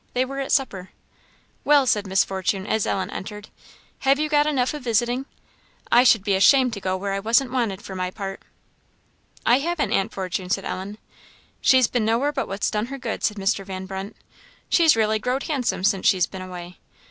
They were at supper. "Well!" said Miss Fortune, as Ellen entered, "have you got enough of visiting? I should be ashamed to go where I wasn't wanted, for my part." "I haven't, Aunt Fortune," said Ellen. "She's been nowhere but what's done her good," said Mr. Van Brunt; "she's reely growed handsome since she's been away."